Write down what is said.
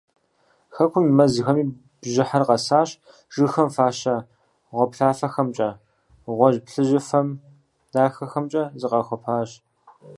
Хэкум и мэзхэми бжьыхьэр къэсащ, жыгхэм фащэ гъуаплъафэхэмкӏэ, гъуэжь-плъыжьыфэ дахэхэмкӀэ зыкъахуэпащ.